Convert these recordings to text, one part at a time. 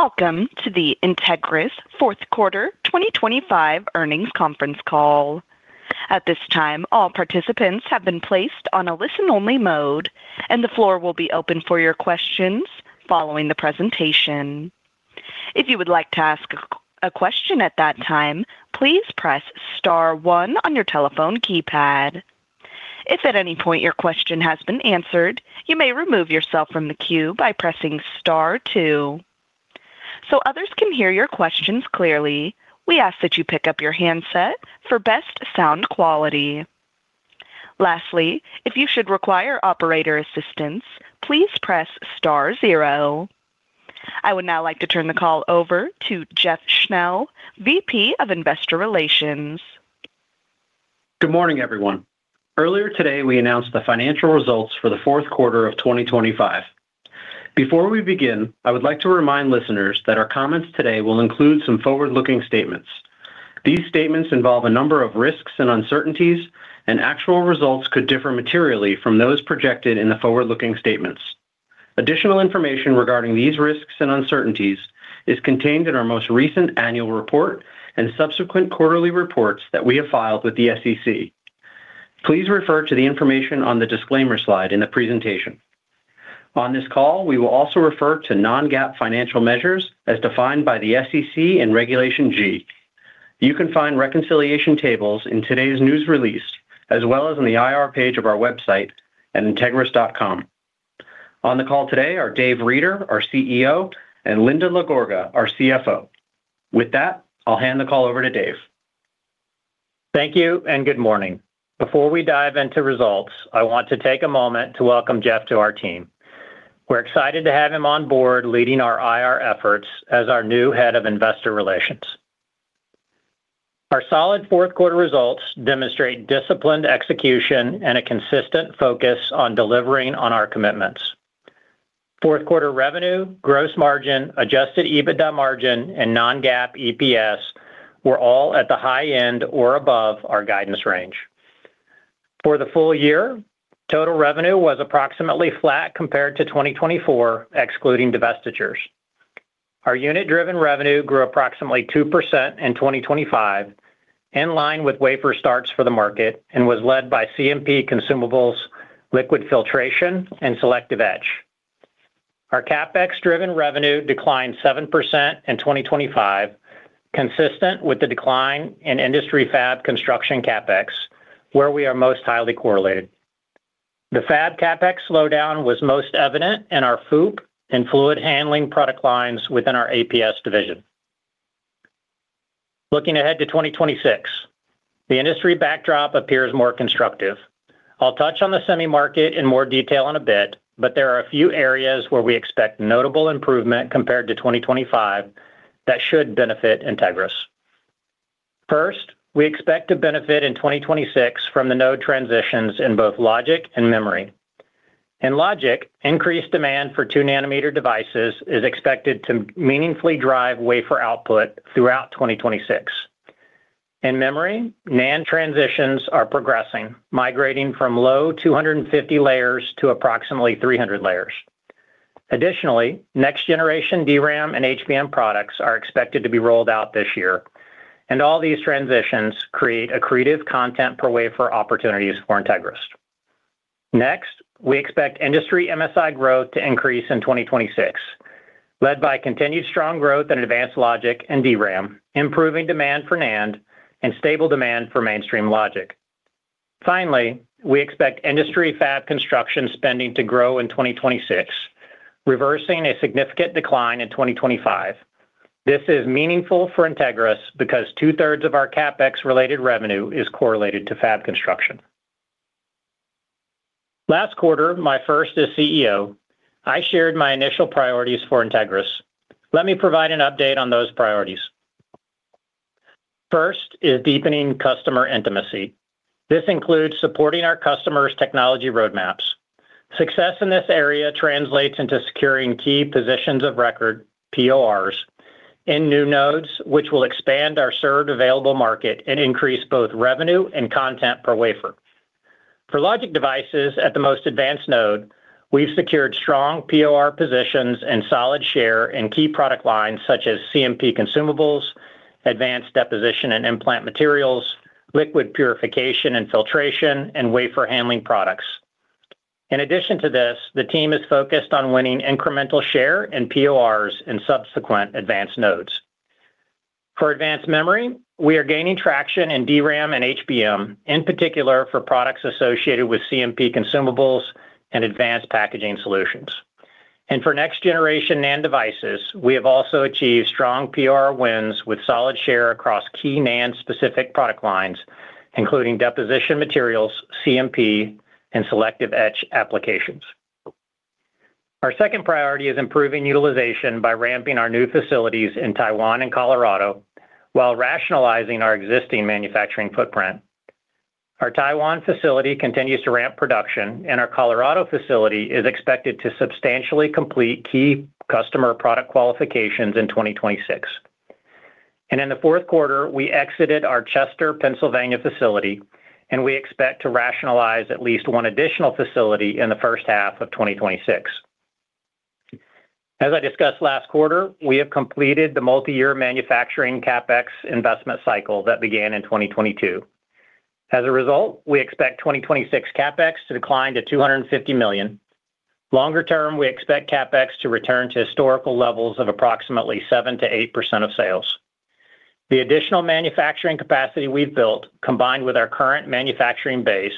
Welcome to the Entegris Fourth Quarter 2025 Earnings Conference Call. At this time, all participants have been placed on a listen-only mode, and the floor will be open for your questions following the presentation. If you would like to ask a question at that time, please press star one on your telephone keypad. If at any point your question has been answered, you may remove yourself from the queue by pressing star two. So others can hear your questions clearly, we ask that you pick up your handset for best sound quality. Lastly, if you should require operator assistance, please press star zero. I would now like to turn the call over to Jeff Schnell, VP of Investor Relations. Good morning, everyone. Earlier today, we announced the financial results for the fourth quarter of 2025. Before we begin, I would like to remind listeners that our comments today will include some forward-looking statements. These statements involve a number of risks and uncertainties, and actual results could differ materially from those projected in the forward-looking statements. Additional information regarding these risks and uncertainties is contained in our most recent annual report and subsequent quarterly reports that we have filed with the SEC. Please refer to the information on the disclaimer slide in the presentation. On this call, we will also refer to non-GAAP financial measures as defined by the SEC and Regulation G. You can find reconciliation tables in today's news release, as well as on the IR page of our website at entegris.com. On the call today are Dave Reeder, our CEO, and Linda LaGorga, our CFO. With that, I'll hand the call over to Dave. Thank you and good morning. Before we dive into results, I want to take a moment to welcome Jeff to our team. We're excited to have him on board leading our IR efforts as our new Head of Investor Relations. Our solid fourth quarter results demonstrate disciplined execution and a consistent focus on delivering on our commitments. Fourth quarter revenue, gross margin, adjusted EBITDA margin, and non-GAAP EPS were all at the high end or above our guidance range. For the full year, total revenue was approximately flat compared to 2024, excluding divestitures. Our unit-driven revenue grew approximately 2% in 2025, in line with wafer starts for the market and was led by CMP Consumables, Liquid Filtration, and Selective Etch. Our CapEx-driven revenue declined 7% in 2025, consistent with the decline in industry fab construction CapEx, where we are most highly correlated. The fab CapEx slowdown was most evident in our FOUP and fluid handling product lines within our APS division. Looking ahead to 2026, the industry backdrop appears more constructive. I'll touch on the semi market in more detail in a bit, but there are a few areas where we expect notable improvement compared to 2025 that should benefit Entegris. First, we expect to benefit in 2026 from the node transitions in both logic and memory. In logic, increased demand for 2-nanometer devices is expected to meaningfully drive wafer output throughout 2026. In memory, NAND transitions are progressing, migrating from low 250 layers to approximately 300 layers. Additionally, next-generation DRAM and HBM products are expected to be rolled out this year, and all these transitions create accretive content per wafer opportunities for Entegris. Next, we expect industry MSI growth to increase in 2026, led by continued strong growth in advanced logic and DRAM, improving demand for NAND, and stable demand for mainstream logic. Finally, we expect industry fab construction spending to grow in 2026, reversing a significant decline in 2025. This is meaningful for Entegris because two-thirds of our CapEx-related revenue is correlated to fab construction. Last quarter, my first as CEO, I shared my initial priorities for Entegris. Let me provide an update on those priorities. First is deepening customer intimacy. This includes supporting our customers' technology roadmaps. Success in this area translates into securing key positions of record, PORs, in new nodes, which will expand our served available market and increase both revenue and content per wafer. For logic devices at the most advanced node, we've secured strong POR positions and solid share in key product lines such as CMP consumables, advanced deposition and implant materials, liquid purification and filtration, and wafer handling products. In addition to this, the team is focused on winning incremental share and PORs in subsequent advanced nodes. For advanced memory, we are gaining traction in DRAM and HBM, in particular for products associated with CMP consumables and advanced packaging solutions. For next-generation NAND devices, we have also achieved strong POR wins with solid share across key NAND-specific product lines, including deposition materials, CMP, and selective etch applications. Our second priority is improving utilization by ramping our new facilities in Taiwan and Colorado while rationalizing our existing manufacturing footprint. Our Taiwan facility continues to ramp production, and our Colorado facility is expected to substantially complete key customer product qualifications in 2026. In the fourth quarter, we exited our Chester, Pennsylvania, facility, and we expect to rationalize at least one additional facility in the first half of 2026. As I discussed last quarter, we have completed the multi-year manufacturing CapEx investment cycle that began in 2022. As a result, we expect 2026 CapEx to decline to $250 million. Longer term, we expect CapEx to return to historical levels of approximately 7%-8% of sales. The additional manufacturing capacity we've built, combined with our current manufacturing base,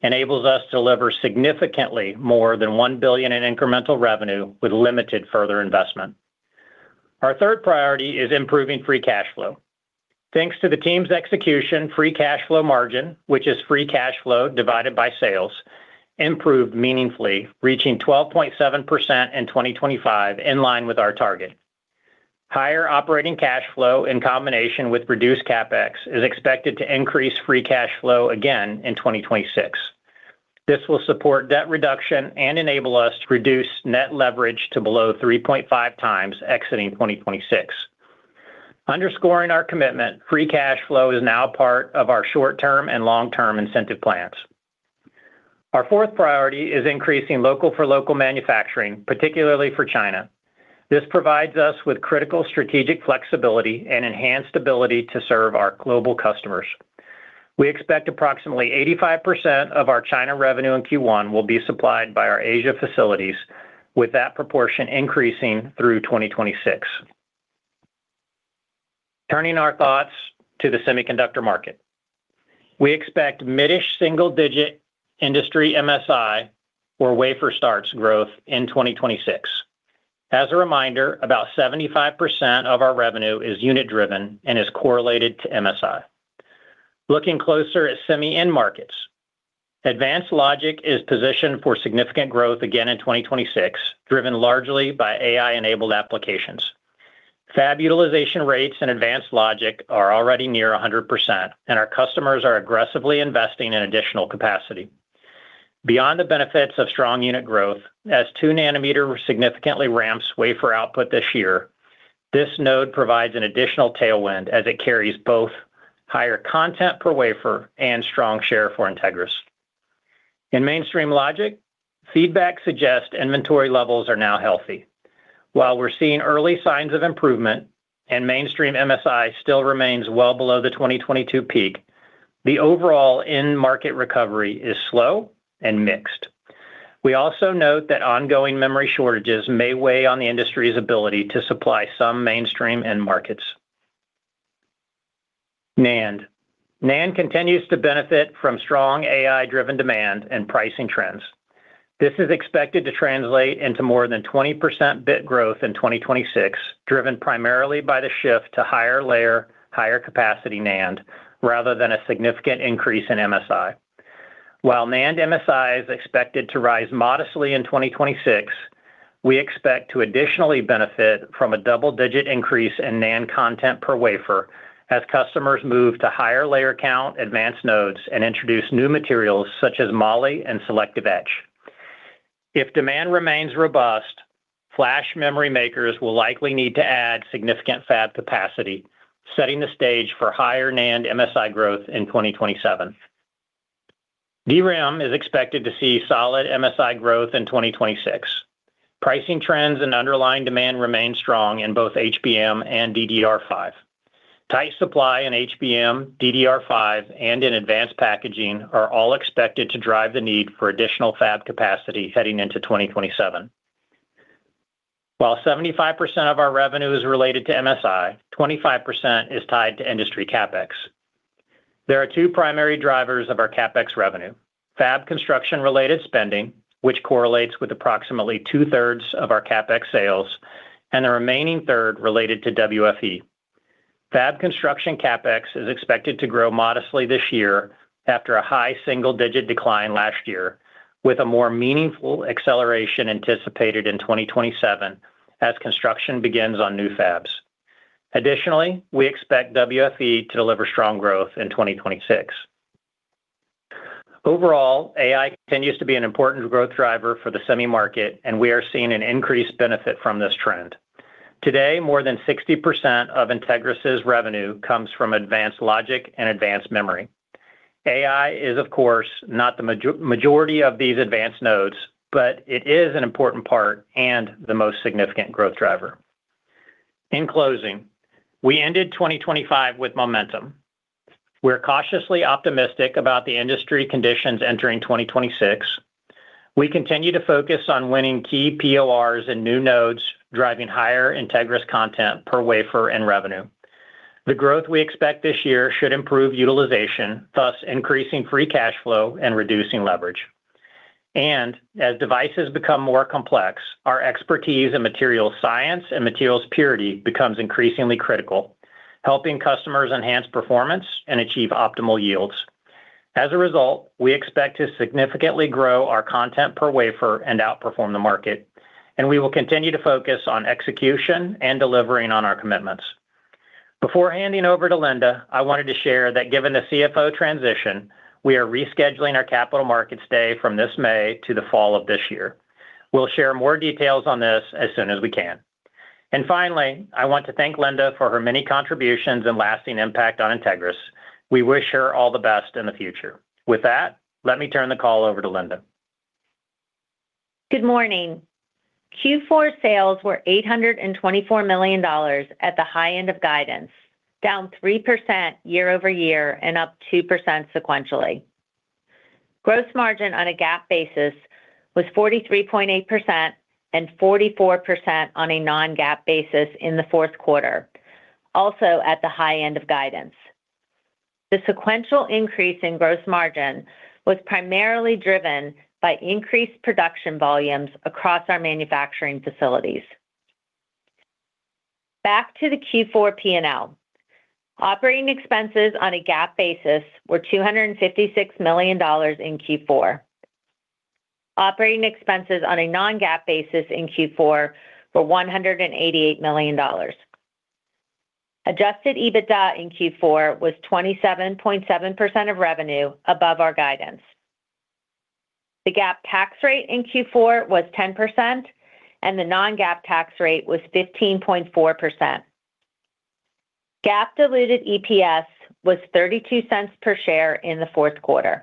enables us to deliver significantly more than $1 billion in incremental revenue with limited further investment. Our third priority is improving free cash flow. Thanks to the team's execution, free cash flow margin, which is free cash flow divided by sales, improved meaningfully, reaching 12.7% in 2025, in line with our target. Higher operating cash flow, in combination with reduced CapEx, is expected to increase free cash flow again in 2026. This will support debt reduction and enable us to reduce net leverage to below 3.5 times exiting 2026. Underscoring our commitment, free cash flow is now part of our short-term and long-term incentive plans. Our fourth priority is increasing local-for-local manufacturing, particularly for China. This provides us with critical strategic flexibility and enhanced ability to serve our global customers. We expect approximately 85% of our China revenue in Q1 will be supplied by our Asia facilities, with that proportion increasing through 2026. Turning our thoughts to the semiconductor market. We expect mid-single-digit industry MSI or wafer starts growth in 2026. As a reminder, about 75% of our revenue is unit-driven and is correlated to MSI. Looking closer at semi end markets, advanced logic is positioned for significant growth again in 2026, driven largely by AI-enabled applications. Fab utilization rates and advanced logic are already near 100%, and our customers are aggressively investing in additional capacity. Beyond the benefits of strong unit growth, as 2-nanometer significantly ramps wafer output this year, this node provides an additional tailwind as it carries both higher content per wafer and strong share for Entegris. In mainstream logic, feedback suggests inventory levels are now healthy. While we're seeing early signs of improvement and mainstream MSI still remains well below the 2022 peak, the overall end market recovery is slow and mixed. We also note that ongoing memory shortages may weigh on the industry's ability to supply some mainstream end markets. NAND. NAND continues to benefit from strong AI-driven demand and pricing trends. This is expected to translate into more than 20% bit growth in 2026, driven primarily by the shift to higher layer, higher capacity NAND, rather than a significant increase in MSI. While NAND MSI is expected to rise modestly in 2026, we expect to additionally benefit from a double-digit increase in NAND content per wafer as customers move to higher layer count, advanced nodes, and introduce new materials such as moly and Selective Etch. If demand remains robust, flash memory makers will likely need to add significant fab capacity, setting the stage for higher NAND MSI growth in 2027. DRAM is expected to see solid MSI growth in 2026. Pricing trends and underlying demand remain strong in both HBM and DDR5. Tight supply in HBM, DDR5, and in advanced packaging are all expected to drive the need for additional fab capacity heading into 2027. While 75% of our revenue is related to MSI, 25% is tied to industry CapEx. There are two primary drivers of our CapEx revenue: Fab construction-related spending, which correlates with approximately two-thirds of our CapEx sales, and the remaining third related to WFE. Fab construction CapEx is expected to grow modestly this year after a high single-digit decline last year, with a more meaningful acceleration anticipated in 2027 as construction begins on new fabs. Additionally, we expect WFE to deliver strong growth in 2026. Overall, AI continues to be an important growth driver for the semi market, and we are seeing an increased benefit from this trend. Today, more than 60% of Entegris' revenue comes from advanced logic and advanced memory. AI is, of course, not the majority of these advanced nodes, but it is an important part and the most significant growth driver. In closing, we ended 2025 with momentum. We're cautiously optimistic about the industry conditions entering 2026. We continue to focus on winning key PORs and new nodes, driving higher Entegris content per wafer and revenue. The growth we expect this year should improve utilization, thus increasing free cash flow and reducing leverage. And as devices become more complex, our expertise in material science and materials purity becomes increasingly critical, helping customers enhance performance and achieve optimal yields. As a result, we expect to significantly grow our content per wafer and outperform the market, and we will continue to focus on execution and delivering on our commitments. Before handing over to Linda, I wanted to share that given the CFO transition, we are rescheduling our Capital Markets Day from this May to the fall of this year. We'll share more details on this as soon as we can. Finally, I want to thank Linda for her many contributions and lasting impact on Entegris. We wish her all the best in the future. With that, let me turn the call over to Linda. Good morning. Q4 sales were $824 million at the high end of guidance, down 3% year-over-year and up 2% sequentially. Gross margin on a GAAP basis was 43.8% and 44% on a non-GAAP basis in the fourth quarter, also at the high end of guidance. The sequential increase in gross margin was primarily driven by increased production volumes across our manufacturing facilities. Back to the Q4 P&L. Operating expenses on a GAAP basis were $256 million in Q4. Operating expenses on a non-GAAP basis in Q4 were $188 million. Adjusted EBITDA in Q4 was 27.7% of revenue above our guidance. The GAAP tax rate in Q4 was 10%, and the non-GAAP tax rate was 15.4%. GAAP diluted EPS was 32 cents per share in the fourth quarter.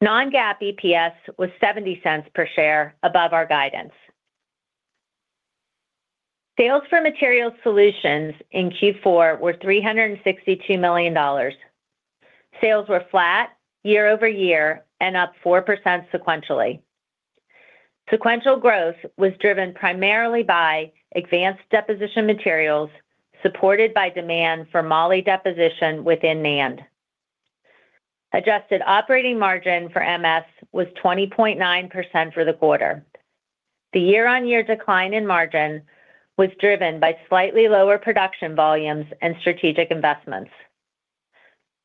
Non-GAAP EPS was 70 cents per share above our guidance. Sales for Material Solutions in Q4 were $362 million. Sales were flat year-over-year and up 4% sequentially. Sequential growth was driven primarily by advanced deposition materials, supported by demand for moly deposition within NAND. Adjusted operating margin for MS was 20.9% for the quarter. The year-on-year decline in margin was driven by slightly lower production volumes and strategic investments.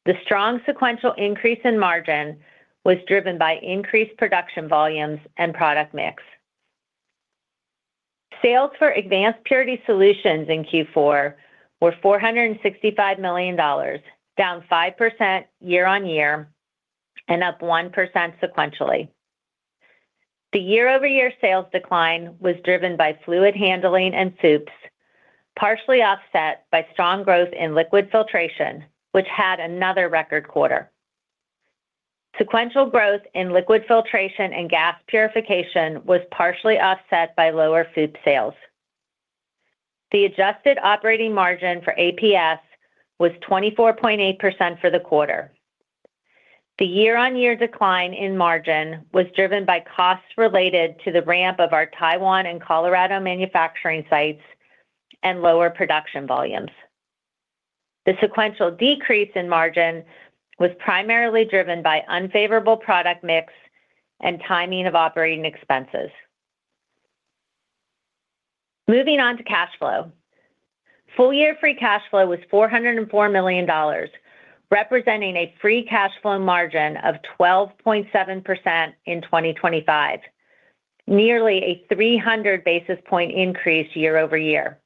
The strong sequential increase in margin was driven by increased production volumes and product mix. Sales for Advanced Purity Solutions in Q4 were $465 million, down 5% year-over-year and up 1% sequentially. The year-over-year sales decline was driven by fluid handling and FOUPs, partially offset by strong growth in liquid filtration, which had another record quarter. Sequential growth in liquid filtration and gas purification was partially offset by lower FOUP sales. The adjusted operating margin for APS was 24.8% for the quarter. The year-over-year decline in margin was driven by costs related to the ramp of our Taiwan and Colorado manufacturing sites and lower production volumes. The sequential decrease in margin was primarily driven by unfavorable product mix and timing of operating expenses. Moving on to cash flow. Full year free cash flow was $404 million, representing a free cash flow margin of 12.7% in 2025, nearly a 300 basis point increase year over year.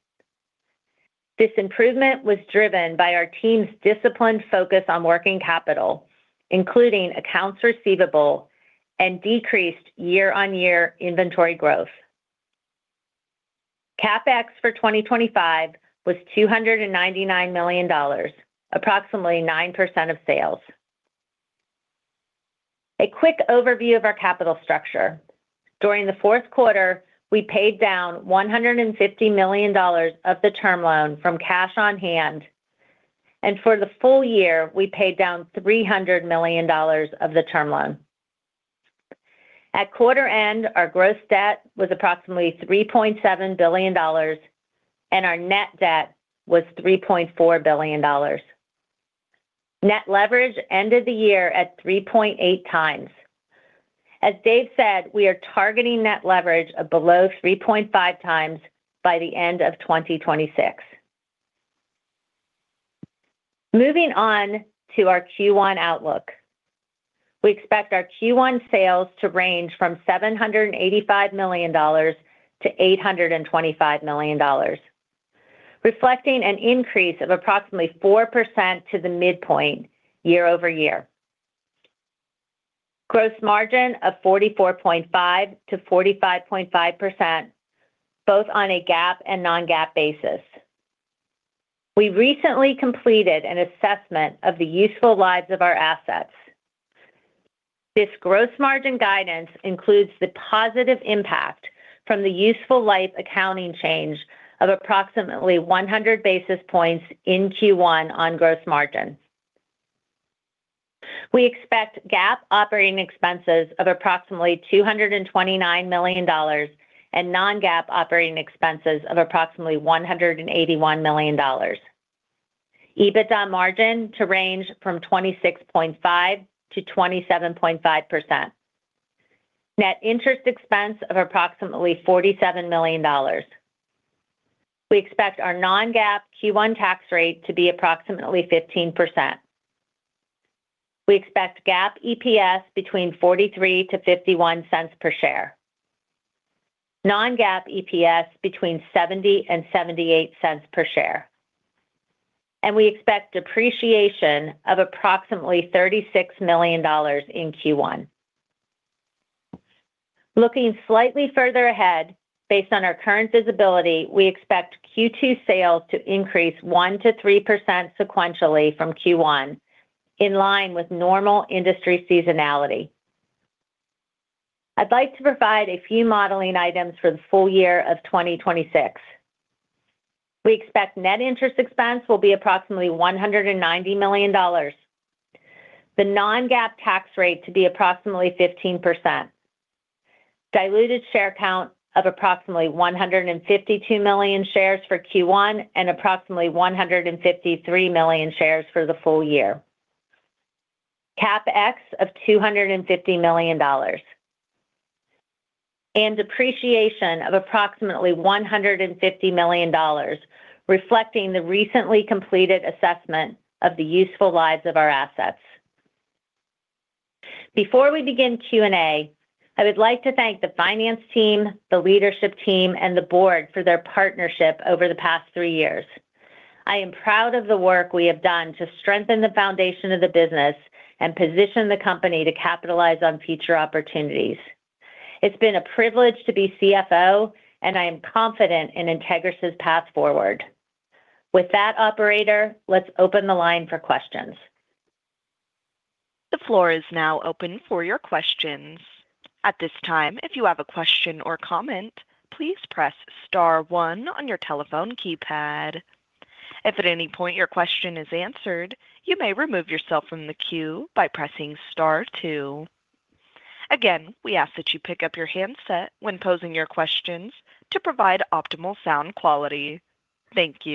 This improvement was driven by our team's disciplined focus on working capital, including accounts receivable and decreased year-on-year inventory growth. CapEx for 2025 was $299 million, approximately 9% of sales. A quick overview of our capital structure. During the fourth quarter, we paid down $150 million of the term loan from cash on hand, and for the full year, we paid down $300 million of the term loan. At quarter end, our gross debt was approximately $3.7 billion, and our net debt was $3.4 billion. Net leverage ended the year at 3.8 times. As Dave said, we are targeting net leverage of below 3.5 times by the end of 2026. Moving on to our Q1 outlook. We expect our Q1 sales to range from $785 million-$825 million, reflecting an increase of approximately 4% to the midpoint year-over-year. Gross margin of 44.5%-45.5%, both on a GAAP and non-GAAP basis. We recently completed an assessment of the useful lives of our assets. This gross margin guidance includes the positive impact from the useful life accounting change of approximately 100 basis points in Q1 on gross margin. We expect GAAP operating expenses of approximately $229 million and non-GAAP operating expenses of approximately $181 million. EBITDA margin to range from 26.5%-27.5%. Net interest expense of approximately $47 million. We expect our non-GAAP Q1 tax rate to be approximately 15%. We expect GAAP EPS between $0.43-$0.51 per share. Non-GAAP EPS between $0.70-$0.78 per share. We expect depreciation of approximately $36 million in Q1. Looking slightly further ahead, based on our current visibility, we expect Q2 sales to increase 1%-3% sequentially from Q1, in line with normal industry seasonality. I'd like to provide a few modeling items for the full year of 2026. We expect net interest expense will be approximately $190 million. The non-GAAP tax rate to be approximately 15%. Diluted share count of approximately 152 million shares for Q1, and approximately 153 million shares for the full year. CapEx of $250 million, and depreciation of approximately $150 million, reflecting the recently completed assessment of the useful lives of our assets. Before we begin Q&A, I would like to thank the finance team, the leadership team, and the board for their partnership over the past three years. I am proud of the work we have done to strengthen the foundation of the business and position the company to capitalize on future opportunities. It's been a privilege to be CFO, and I am confident in Entegris' path forward. With that, operator, let's open the line for questions. The floor is now open for your questions. At this time, if you have a question or comment, please press star one on your telephone keypad. If at any point your question is answered, you may remove yourself from the queue by pressing star two. Again, we ask that you pick up your handset when posing your questions to provide optimal sound quality. Thank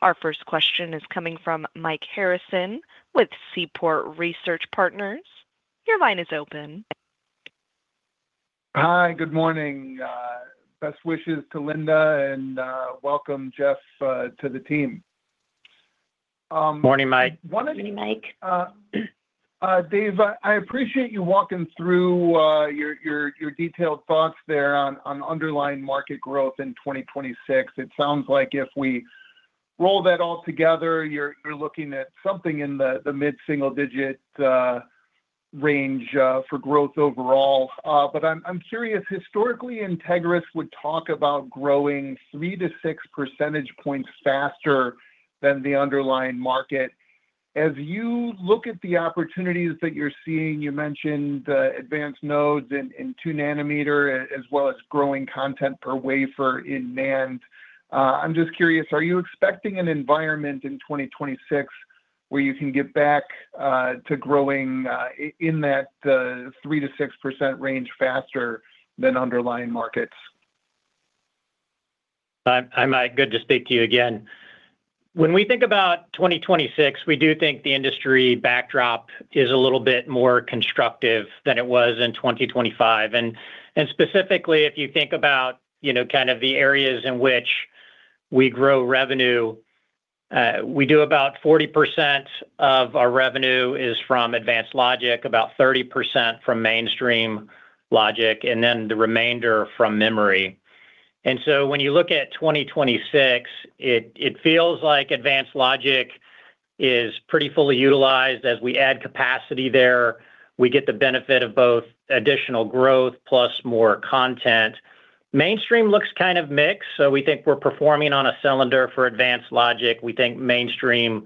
you. Our first question is coming from Mike Harrison with Seaport Research Partners. Your line is open. Hi, good morning. Best wishes to Linda, and welcome, Jeff, to the team. Morning, Mike. Morning, Mike. Dave, I appreciate you walking through your detailed thoughts there on underlying market growth in 2026. It sounds like if we roll that all together, you're looking at something in the mid-single-digit range for growth overall. But I'm curious, historically, Entegris would talk about growing three-six percentage points faster than the underlying market. As you look at the opportunities that you're seeing, you mentioned the advanced nodes in 2-nanometer, as well as growing content per wafer in NAND. I'm just curious, are you expecting an environment in 2026 where you can get back to growing in that 3%-6% range faster than underlying markets? Hi, Mike. Good to speak to you again. When we think about 2026, we do think the industry backdrop is a little bit more constructive than it was in 2025. And specifically, if you think about, you know, kind of the areas in which we grow revenue, we do about 40% of our revenue is from advanced logic, about 30% from mainstream logic, and then the remainder from memory. So when you look at 2026, it feels like advanced logic is pretty fully utilized. As we add capacity there, we get the benefit of both additional growth plus more content. Mainstream looks kind of mixed, so we think we're performing on all cylinders for advanced logic. We think mainstream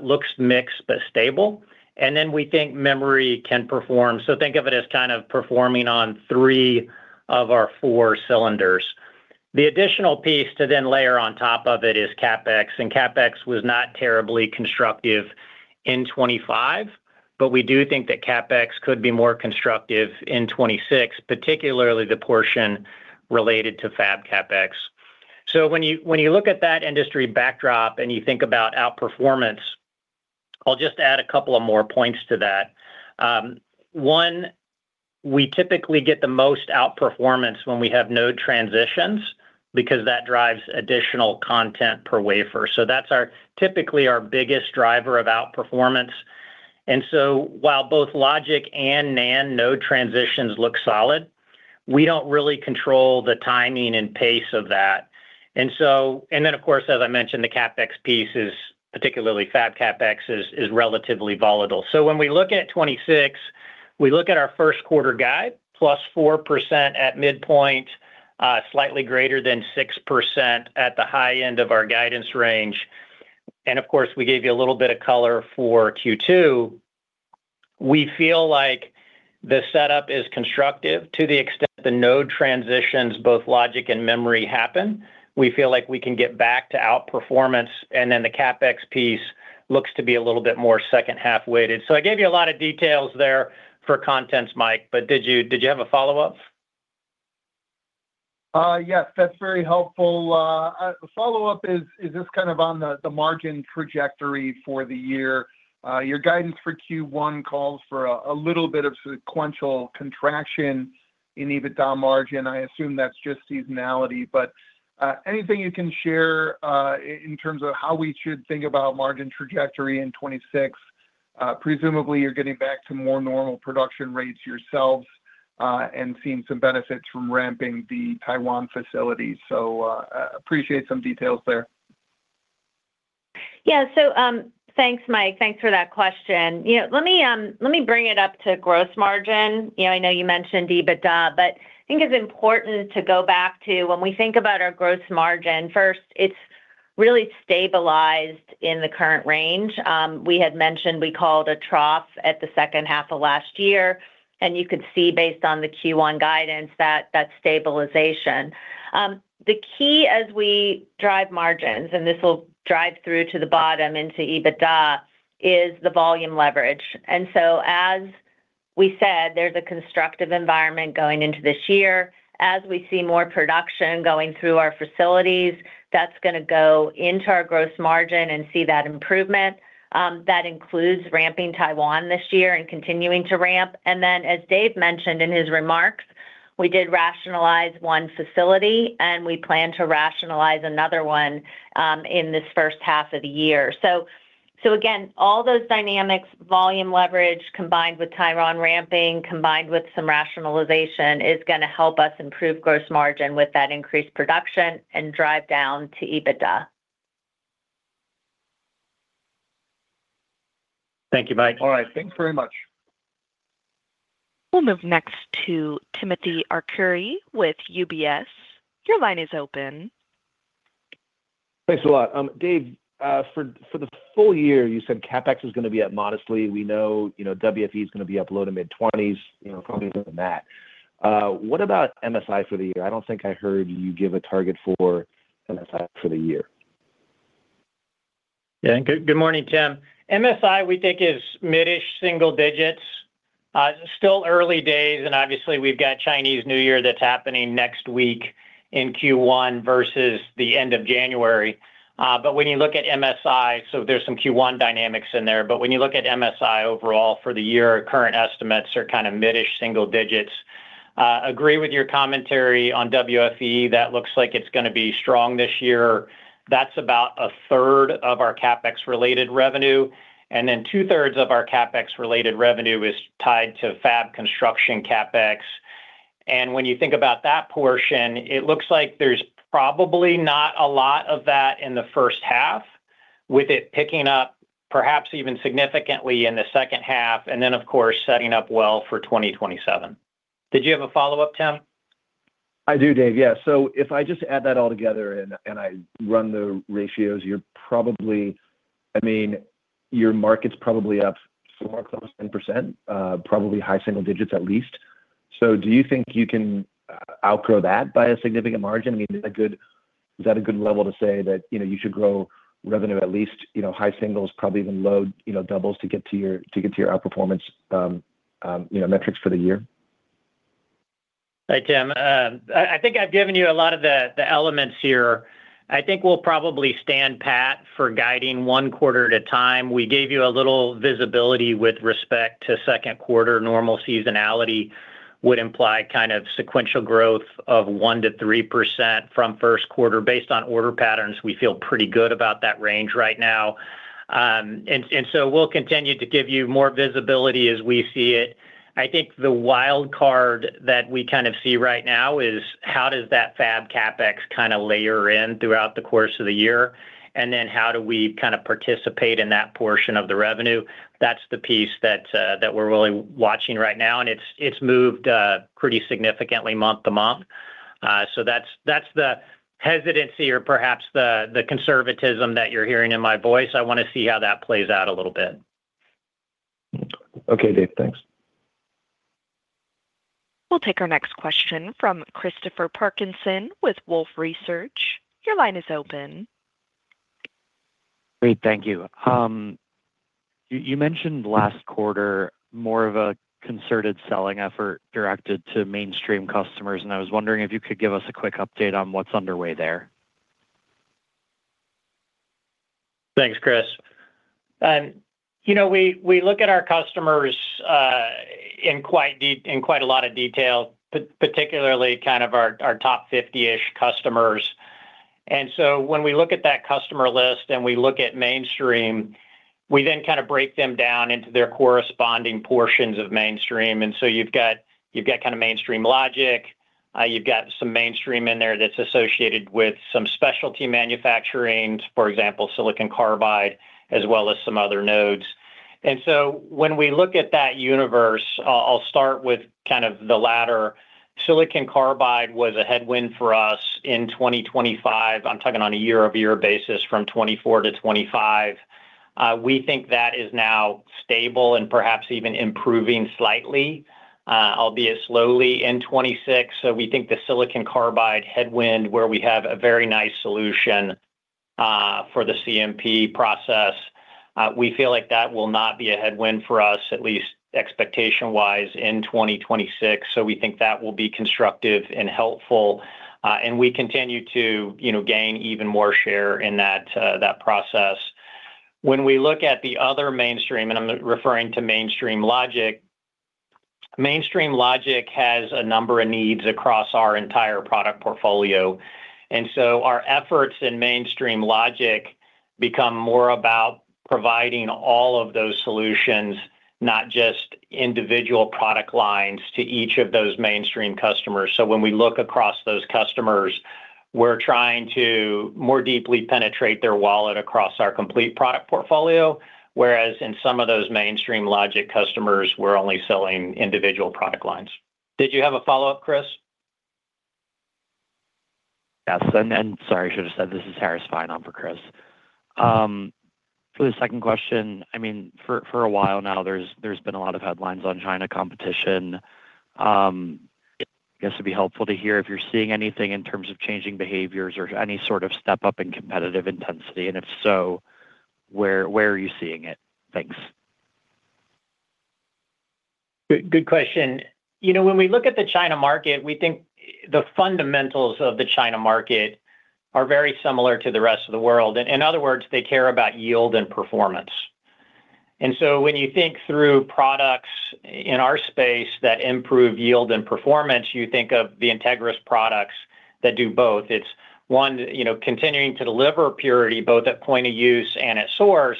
looks mixed but stable, and then we think memory can perform. So think of it as kind of performing on three of our four cylinders. The additional piece to then layer on top of it is CapEx, and CapEx was not terribly constructive in 2025, but we do think that CapEx could be more constructive in 2026, particularly the portion related to fab CapEx. So when you, when you look at that industry backdrop and you think about outperformance, I'll just add a couple of more points to that. One, we typically get the most outperformance when we have no transitions, because that drives additional content per wafer. So that's typically our biggest driver of outperformance. And so while both logic and NAND node transitions look solid, we don't really control the timing and pace of that. And then, of course, as I mentioned, the CapEx piece is particularly fab CapEx is relatively volatile. So when we look at 2026, we look at our first quarter guide, +4% at midpoint, slightly greater than 6% at the high end of our guidance range. And of course, we gave you a little bit of color for Q2. We feel like the setup is constructive to the extent the node transitions, both logic and memory, happen. We feel like we can get back to outperformance, and then the CapEx piece looks to be a little bit more second half-weighted. So I gave you a lot of details there for context, Mike, but did you, did you have a follow-up? Yes, that's very helpful. A follow-up is just kind of on the margin trajectory for the year. Your guidance for Q1 calls for a little bit of sequential contraction in EBITDA margin. I assume that's just seasonality, but anything you can share in terms of how we should think about margin trajectory in 2026? Presumably, you're getting back to more normal production rates yourselves and seeing some benefits from ramping the Taiwan facilities. So, appreciate some details there. Yeah. So, thanks, Mike. Thanks for that question. You know, let me, let me bring it up to gross margin. You know, I know you mentioned EBITDA, but I think it's important to go back to when we think about our gross margin. First, it's really stabilized in the current range. We had mentioned we called a trough at the second half of last year, and you could see, based on the Q1 guidance, that stabilization. The key as we drive margins, and this will drive through to the bottom into EBITDA, is the volume leverage. And so, as we said, there's a constructive environment going into this year. As we see more production going through our facilities, that's gonna go into our gross margin and see that improvement. That includes ramping Taiwan this year and continuing to ramp. And then, as Dave mentioned in his remarks, we did rationalize one facility, and we plan to rationalize another one, in this first half of the year. So again, all those dynamics, volume leverage, combined with Taiwan ramping, combined with some rationalization, is gonna help us improve gross margin with that increased production and drive down to EBITDA. Thank you, Mike. All right, thanks very much. We'll move next to Timothy Arcuri with UBS. Your line is open. Thanks a lot. Dave, for the full year, you said CapEx is gonna be up modestly. We know, you know, WFE is gonna be up low- to mid-20s, you know, probably more than that. What about MSI for the year? I don't think I heard you give a target for MSI for the year. Yeah, good morning, Tim. MSI, we think, is mid-ish single digits. Still early days, and obviously, we've got Chinese New Year that's happening next week in Q1 versus the end of January. But when you look at MSI, so there's some Q1 dynamics in there, but when you look at MSI overall for the year, current estimates are kind of mid-ish single digits. Agree with your commentary on WFE. That looks like it's gonna be strong this year. That's about a third of our CapEx-related revenue, and then two-thirds of our CapEx-related revenue is tied to fab construction CapEx. When you think about that portion, it looks like there's probably not a lot of that in the first half, with it picking up, perhaps even significantly in the second half, and then, of course, setting up well for 2027. Did you have a follow-up, Tim? I do, Dave. Yeah. So if I just add that all together and I run the ratios, you're probably—I mean, your market's probably up 4+ 10%, probably high single digits, at least. So do you think you can outgrow that by a significant margin? I mean, is that good—is that a good level to say that, you know, you should grow revenue at least, you know, high singles, probably even low, you know, doubles to get to your, to get to your outperformance, you know, metrics for the year? Hey, Tim. I think I've given you a lot of the elements here. I think we'll probably stand pat for guiding one quarter at a time. We gave you a little visibility with respect to second quarter. Normal seasonality would imply kind of sequential growth of 1%-3% from first quarter. Based on order patterns, we feel pretty good about that range right now. And so we'll continue to give you more visibility as we see it. I think the wild card that we kind of see right now is: how does that fab CapEx kinda layer in throughout the course of the year? And then, how do we kind of participate in that portion of the revenue? That's the piece that we're really watching right now, and it's moved pretty significantly month to month. So that's the hesitancy or perhaps the conservatism that you're hearing in my voice. I wanna see how that plays out a little bit. Okay, Dave, thanks. We'll take our next question from Christopher Parkinson with Wolfe Research. Your line is open. Great. Thank you. You mentioned last quarter, more of a concerted selling effort directed to mainstream customers, and I was wondering if you could give us a quick update on what's underway there. Thanks, Chris. You know, we look at our customers in quite a lot of detail, particularly kind of our top 50-ish customers. And so when we look at that customer list and we look at mainstream, we then kind of break them down into their corresponding portions of mainstream. And so you've got kind of mainstream logic. You've got some mainstream in there that's associated with some specialty manufacturing, for example, silicon carbide, as well as some other nodes. And so when we look at that universe, I'll start with kind of the latter. Silicon carbide was a headwind for us in 2025. I'm talking on a year-over-year basis from 2024-2025. We think that is now stable and perhaps even improving slightly, albeit slowly in 2026. So we think the silicon carbide headwind, where we have a very nice solution for the CMP process, we feel like that will not be a headwind for us, at least expectation-wise, in 2026. So we think that will be constructive and helpful, and we continue to, you know, gain even more share in that process. When we look at the other mainstream, and I'm referring to mainstream logic, mainstream logic has a number of needs across our entire product portfolio, and so our efforts in mainstream logic become more about providing all of those solutions, not just individual product lines, to each of those mainstream customers. So when we look across those customers, we're trying to more deeply penetrate their wallet across our complete product portfolio, whereas in some of those mainstream logic customers, we're only selling individual product lines. Did you have a follow-up, Chris? Yes, and sorry, I should have said this is Harris Fein on for Chris. For the second question, I mean, for a while now, there's been a lot of headlines on China competition. I guess it'd be helpful to hear if you're seeing anything in terms of changing behaviors or any sort of step-up in competitive intensity, and if so, where are you seeing it? Thanks. Good, good question. You know, when we look at the China market, we think the fundamentals of the China market are very similar to the rest of the world. In other words, they care about yield and performance. And so when you think through products in our space that improve yield and performance, you think of the Entegris products that do both. It's one, you know, continuing to deliver purity, both at point of use and at source,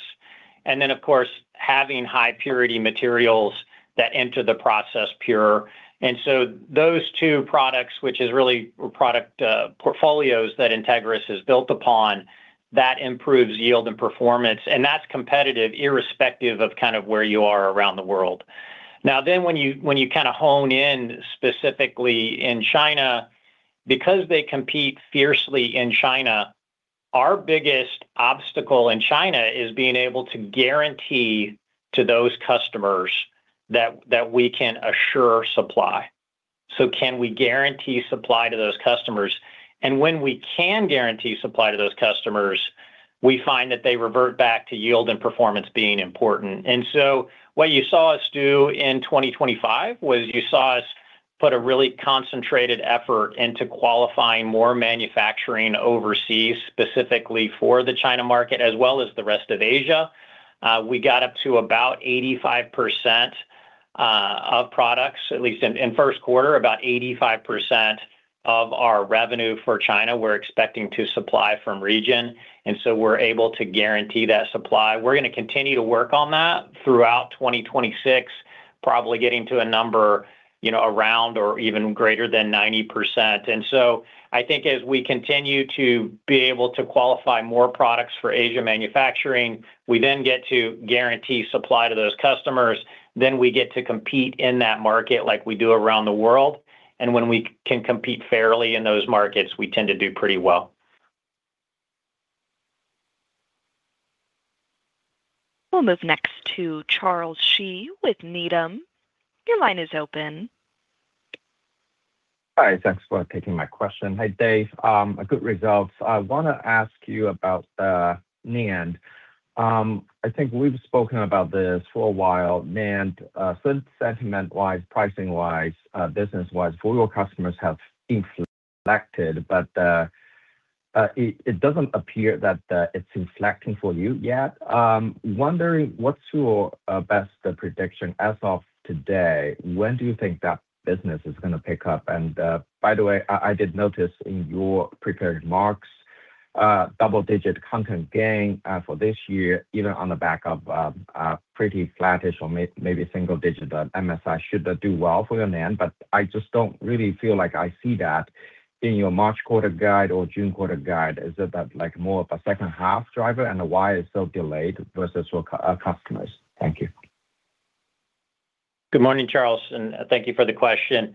and then, of course, having high purity materials that enter the process pure. And so those two products, which is really product portfolios, that Entegris is built upon, that improves yield and performance, and that's competitive, irrespective of kind of where you are around the world. Now, then, when you, when you kind of hone in specifically in China, because they compete fiercely in China, our biggest obstacle in China is being able to guarantee to those customers that we can assure supply. So can we guarantee supply to those customers? And when we can guarantee supply to those customers, we find that they revert back to yield and performance being important. And so what you saw us do in 2025 was you saw us put a really concentrated effort into qualifying more manufacturing overseas, specifically for the China market, as well as the rest of Asia. We got up to about 85% of products, at least in first quarter, about 85% of our revenue for China, we're expecting to supply from region, and so we're able to guarantee that supply. We're gonna continue to work on that throughout 2026, probably getting to a number, you know, around or even greater than 90%. And so I think as we continue to be able to qualify more products for Asia manufacturing, we then get to guarantee supply to those customers, then we get to compete in that market like we do around the world, and when we can compete fairly in those markets, we tend to do pretty well. We'll move next to Charles Shi with Needham. Your line is open. Hi, thanks for taking my question. Hey, Dave, a good result. I want to ask you about NAND. I think we've spoken about this for a while, NAND, since sentiment-wise, pricing-wise, business-wise, for your customers have inflected, but it doesn't appear that it's inflecting for you yet. Wondering what's your best prediction as of today, when do you think that business is going to pick up? And by the way, I did notice in your prepared remarks, double-digit content gain for this year, even on the back of a pretty flattish or maybe single digit, but MSI, should that do well for your NAND. But I just don't really feel like I see that in your March quarter guide or June quarter guide. Is it that, like, more of a second half driver, and why it's so delayed versus your customers? Thank you. Good morning, Charles, and thank you for the question.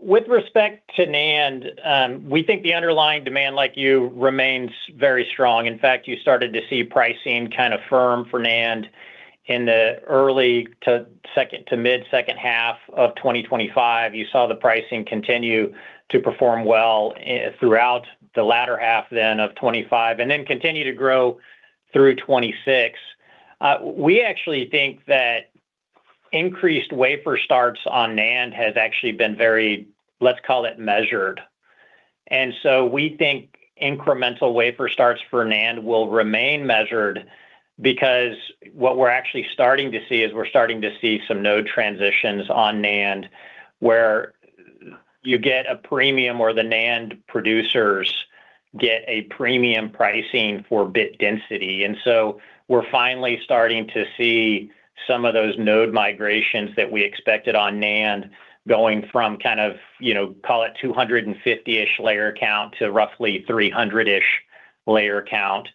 With respect to NAND, we think the underlying demand, like you, remains very strong. In fact, you started to see pricing kind of firm for NAND in the early to mid-second half of 2025. You saw the pricing continue to perform well throughout the latter half of 2025, and then continue to grow through 2026. We actually think that increased wafer starts on NAND has actually been very, let's call it, measured. And so we think incremental wafer starts for NAND will remain measured because what we're actually starting to see is we're starting to see some node transitions on NAND, where you get a premium, or the NAND producers get a premium pricing for bit density. And so we're finally starting to see some of those node migrations that we expected on NAND going from kind of, you know, call it 250-ish layer count to roughly 300-ish layer count.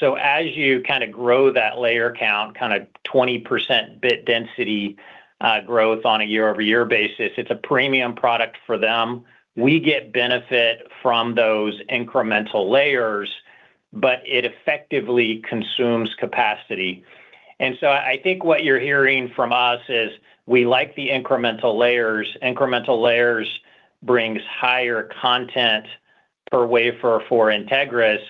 So as you kind of grow that layer count, kind of 20% bit density growth on a year-over-year basis, it's a premium product for them. We get benefit from those incremental layers, but it effectively consumes capacity. And so I think what you're hearing from us is, we like the incremental layers. Incremental layers brings higher content per wafer for Entegris,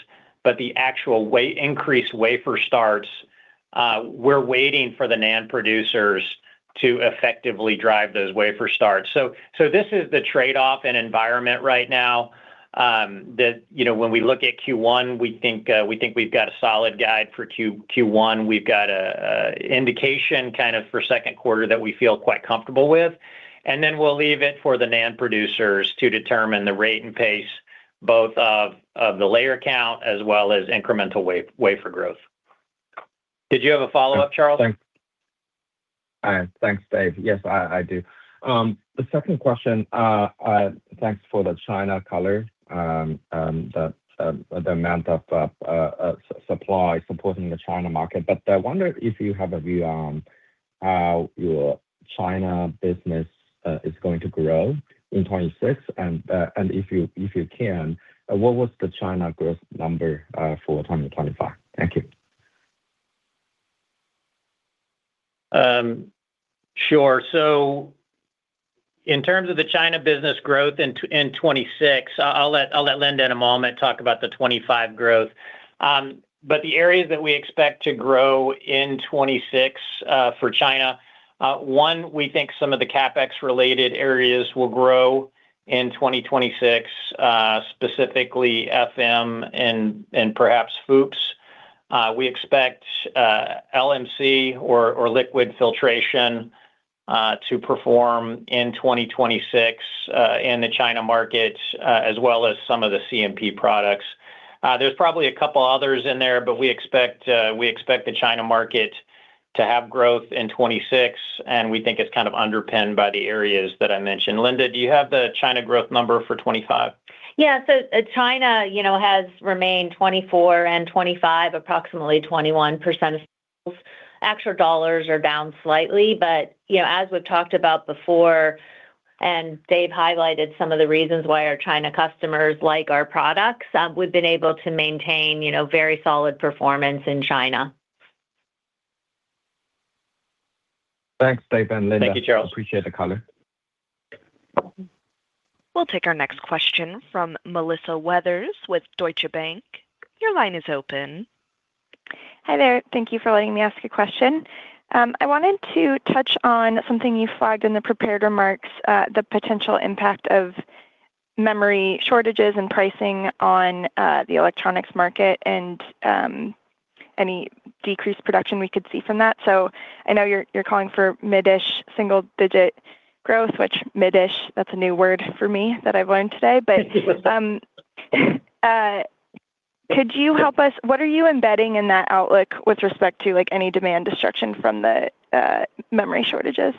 but the actual way, increased wafer starts, we're waiting for the NAND producers to effectively drive those wafer starts. So this is the trade-off in environment right now. You know, when we look at Q1, we think we've got a solid guide for Q1. We've got an indication kind of for second quarter that we feel quite comfortable with, and then we'll leave it for the NAND producers to determine the rate and pace, both of the layer count as well as incremental wafer growth. Did you have a follow-up, Charles? Thanks. Thanks, Dave. Yes, I do. The second question, thanks for the China color, the amount of supply supporting the China market. But I wonder if you have a view on how your China business is going to grow in 2026. And, and if you can, what was the China growth number for 2025? Thank you. Sure. So in terms of the China business growth in 2026, I'll let Linda, in a moment, talk about the 2025 growth. But the areas that we expect to grow in 2026 for China, one, we think some of the CapEx-related areas will grow in 2026, specifically FM and perhaps FOUPs. We expect LMC or liquid filtration to perform in 2026 in the China market as well as some of the CMP products. There's probably a couple others in there, but we expect the China market to have growth in 2026, and we think it's kind of underpinned by the areas that I mentioned. Linda, do you have the China growth number for 2025? Yeah. So, China, you know, has remained 2024 and 2025, approximately 21% of sales. Actual dollars are down slightly, but, you know, as we've talked about before, and Dave highlighted some of the reasons why our China customers like our products, we've been able to maintain, you know, very solid performance in China. Thanks, Dave and Linda. Thank you, Charles. Appreciate the color. We'll take our next question from Melissa Weathers with Deutsche Bank. Your line is open. Hi, there. Thank you for letting me ask a question. I wanted to touch on something you flagged in the prepared remarks, the potential impact of memory shortages and pricing on, the electronics market and, any decreased production we could see from that. So I know you're, you're calling for mid-ish, single-digit growth, which mid-ish, that's a new word for me that I've learned today. But, could you help us? What are you embedding in that outlook with respect to, like, any demand destruction from the, memory shortages?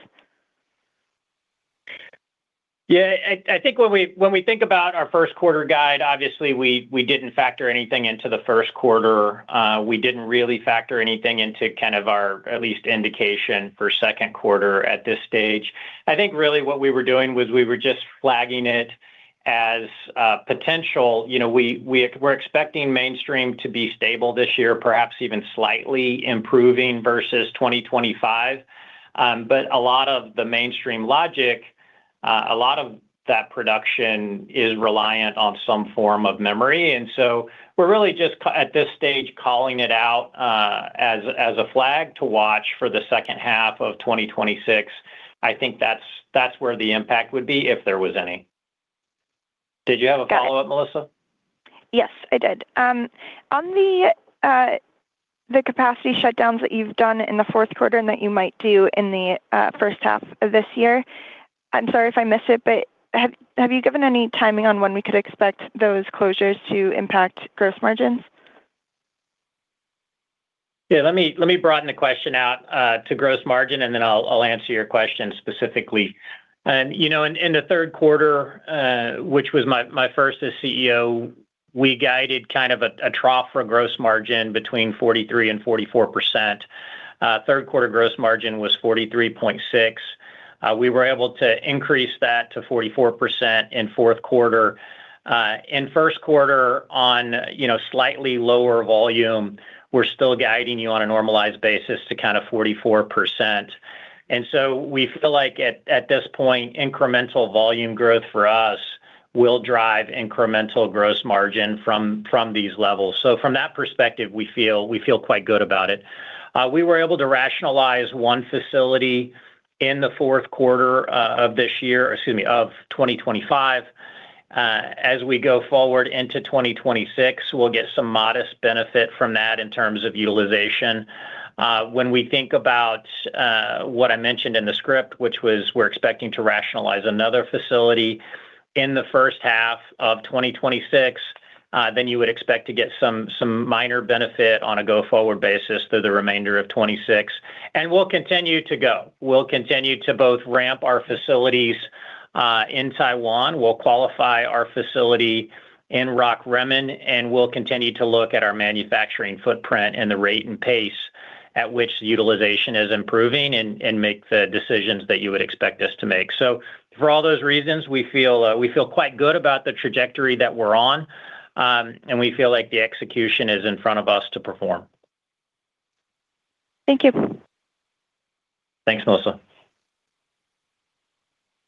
Yeah, I think when we think about our first quarter guide, obviously we didn't factor anything into the first quarter. We didn't really factor anything into kind of our at least indication for second quarter at this stage. I think really what we were doing was we were just flagging it as potential. You know, we're expecting mainstream to be stable this year, perhaps even slightly improving versus 2025. But a lot of the mainstream logic, a lot of that production is reliant on some form of memory, and so we're really just calling it out at this stage as a flag to watch for the second half of 2026. I think that's where the impact would be if there was any. Did you have a follow-up, Melissa? Yes, I did. On the capacity shutdowns that you've done in the fourth quarter and that you might do in the first half of this year, I'm sorry if I missed it, but have you given any timing on when we could expect those closures to impact gross margins? Yeah, let me, let me broaden the question out to gross margin, and then I'll, I'll answer your question specifically. You know, in the third quarter, which was my first as CEO, we guided kind of a trough for a gross margin between 43% and 44%. Third quarter gross margin was 43.6%. We were able to increase that to 44% in fourth quarter. In first quarter on, you know, slightly lower volume, we're still guiding you on a normalized basis to kind of 44%. And so we feel like at this point, incremental volume growth for us will drive incremental gross margin from these levels. So from that perspective, we feel quite good about it. We were able to rationalize one facility in the fourth quarter, of this year, excuse me, of 2025. As we go forward into 2026, we'll get some modest benefit from that in terms of utilization. When we think about what I mentioned in the script, which was we're expecting to rationalize another facility in the first half of 2026, then you would expect to get some minor benefit on a go-forward basis through the remainder of 2026, and we'll continue to go. We'll continue to both ramp our facilities in Taiwan. We'll qualify our facility in Rockrimmon, and we'll continue to look at our manufacturing footprint and the rate and pace at which utilization is improving and make the decisions that you would expect us to make. So for all those reasons, we feel, we feel quite good about the trajectory that we're on, and we feel like the execution is in front of us to perform. Thank you. Thanks, Melissa.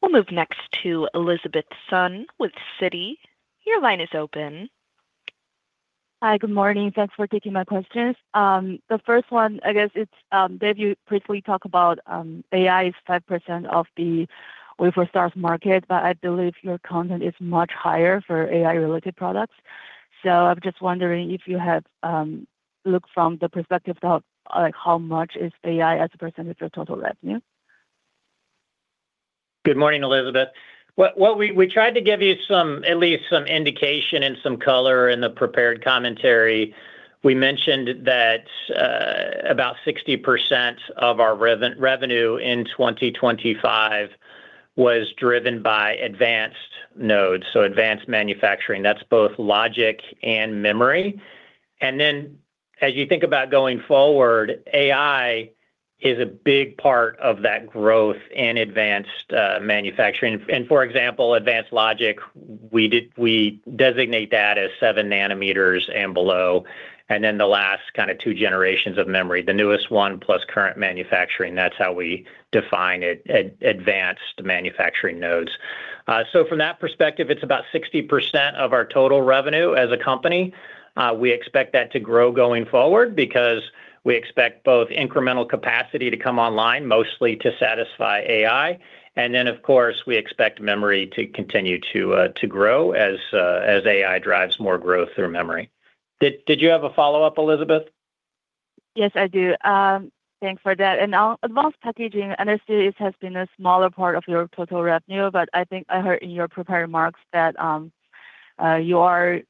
We'll move next to Elizabeth Sun with Citi. Your line is open. Hi, good morning. Thanks for taking my questions. The first one, I guess, it's Dave, you briefly talk about AI is 5% of the wafer starts market, but I believe your content is much higher for AI-related products. So I'm just wondering if you have looked from the perspective of, like, how much is AI as a percentage of total revenue? Good morning, Elizabeth. Well, well, we tried to give you some, at least some indication and some color in the prepared commentary. We mentioned that about 60% of our revenue in 2025 was driven by advanced nodes, so advanced manufacturing, that's both logic and memory. And then as you think about going forward, AI is a big part of that growth in advanced manufacturing. And for example, advanced logic, we designate that as seven nanometers and below, and then the last kind of two generations of memory, the newest one, plus current manufacturing, that's how we define it, advanced manufacturing nodes. So from that perspective, it's about 60% of our total revenue as a company. We expect that to grow going forward because we expect both incremental capacity to come online, mostly to satisfy AI. And then, of course, we expect memory to continue to grow as AI drives more growth through memory. Did you have a follow-up, Elizabeth? Yes, I do. Thanks for that. And, advanced packaging, I know it has been a smaller part of your total revenue, but I think I heard in your prepared remarks that you are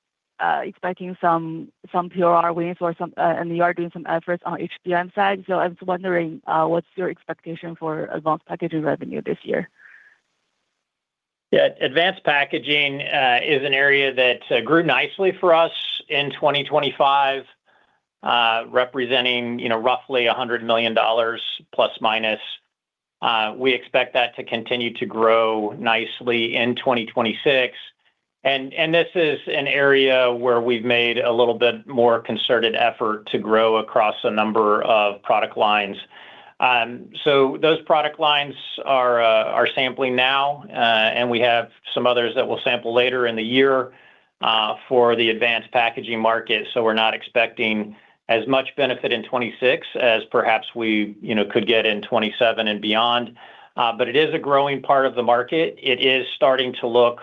expecting some, some POR wins or some, and you are doing some efforts on HBM side. So I was wondering, what's your expectation for advanced packaging revenue this year? Yeah. Advanced packaging is an area that grew nicely for us in 2025, representing, you know, roughly $100 million, plus, minus. We expect that to continue to grow nicely in 2026. And this is an area where we've made a little bit more concerted effort to grow across a number of product lines. So those product lines are sampling now, and we have some others that will sample later in the year for the advanced packaging market. So we're not expecting as much benefit in 2026 as perhaps we, you know, could get in 2027 and beyond. But it is a growing part of the market. It is starting to look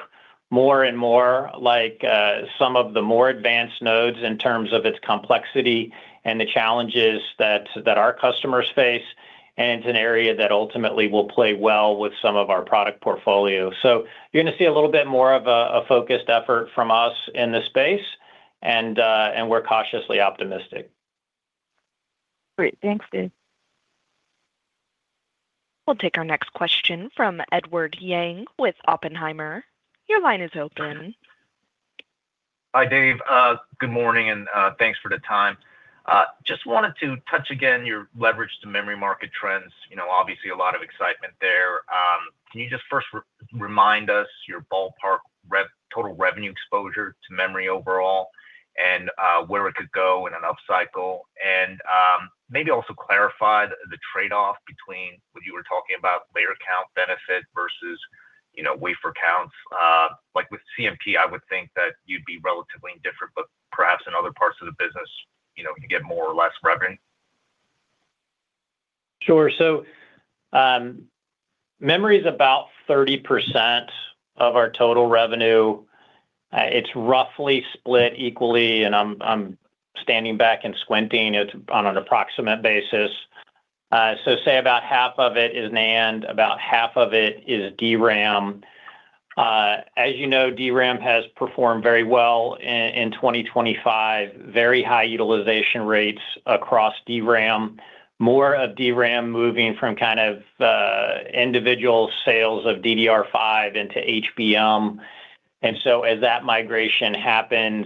more and more like some of the more advanced nodes in terms of its complexity and the challenges that our customers face. It's an area that ultimately will play well with some of our product portfolio. You're going to see a little bit more of a focused effort from us in this space, and we're cautiously optimistic. Great. Thanks, Dave. We'll take our next question from Edward Yang with Oppenheimer. Your line is open. Hi, Dave. Good morning, and thanks for the time. Just wanted to touch again on your leverage to memory market trends. You know, obviously, a lot of excitement there. Can you just first remind us of your ballpark total revenue exposure to memory overall and where it could go in an upcycle? And maybe also clarify the trade-off between what you were talking about, layer count benefit versus, you know, wafer counts. Like with CMP, I would think that you'd be relatively indifferent, but perhaps in other parts of the business, you know, you get more or less revenue. Sure. So, memory is about 30% of our total revenue. It's roughly split equally, and I'm standing back and squinting it on an approximate basis. So say about half of it is NAND, about half of it is DRAM. As you know, DRAM has performed very well in 2025. Very high utilization rates across DRAM. More of DRAM moving from kind of individual sales of DDR5 into HBM. And so as that migration happens,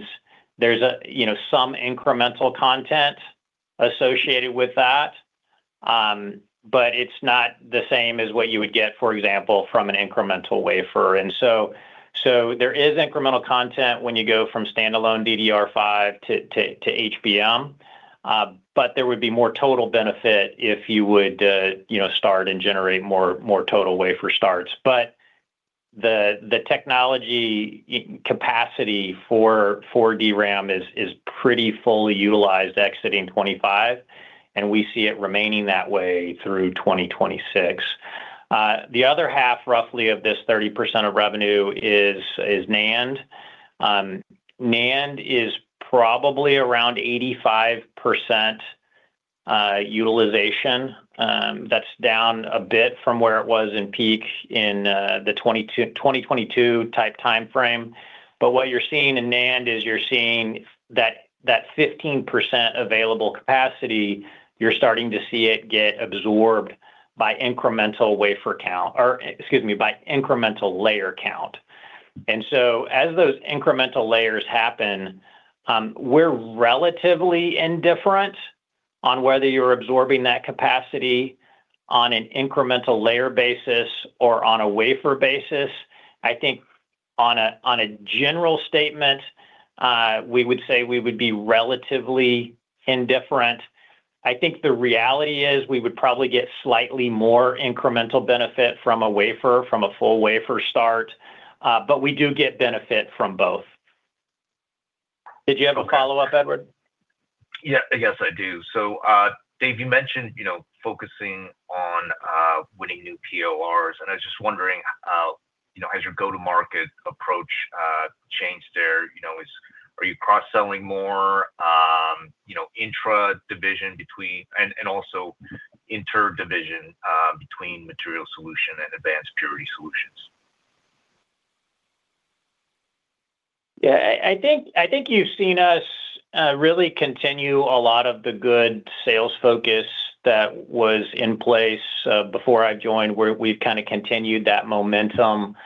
there's a you know, some incremental content associated with that, but it's not the same as what you would get, for example, from an incremental wafer. And so there is incremental content when you go from standalone DDR5 to HBM, but there would be more total benefit if you would you know, start and generate more total wafer starts. But the technology capacity for DRAM is pretty fully utilized, exiting 2025, and we see it remaining that way through 2026. The other half, roughly of this 30% of revenue is NAND. NAND is probably around 85% utilization. That's down a bit from where it was in peak in the 2022 type timeframe. But what you're seeing in NAND is that 15% available capacity, you're starting to see it get absorbed by incremental wafer count, or excuse me, by incremental layer count. And so as those incremental layers happen, we're relatively indifferent on whether you're absorbing that capacity on an incremental layer basis or on a wafer basis. I think on a general statement, we would say we would be relatively indifferent. I think the reality is we would probably get slightly more incremental benefit from a wafer, from a full wafer start, but we do get benefit from both. Did you have a follow-up, Edward? Yeah. Yes, I do. So, Dave, you mentioned, you know, focusing on winning new PORs, and I was just wondering, you know, has your go-to-market approach changed there? You know, are you cross-selling more, you know, intra-division between, and also inter-division between Material Solutions and Advanced Purity Solutions? Yeah, I think you've seen us really continue a lot of the good sales focus that was in place before I joined, where we've kind of continued that momentum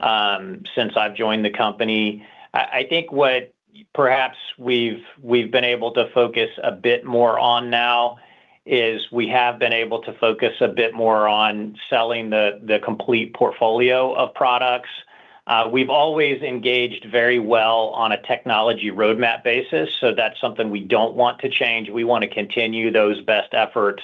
since I've joined the company. I think what perhaps we've been able to focus a bit more on now is we have been able to focus a bit more on selling the complete portfolio of products. We've always engaged very well on a technology roadmap basis, so that's something we don't want to change. We want to continue those best efforts